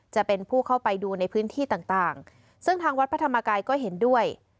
จะเป็นผู้เข้าไปดูในพื้นที่ต่างซึ่งทางวัดพระธรรมกายก็เห็นด้วย